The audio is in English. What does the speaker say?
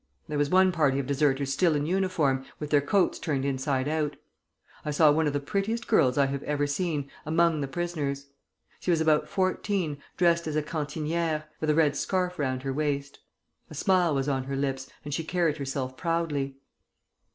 There was one party of deserters still in uniform, with their coats turned inside out. I saw one of the prettiest girls I have ever seen, among the prisoners. She was about fourteen, dressed as a cantinière, with a red scarf round her waist. A smile was on her lips, and she carried herself proudly.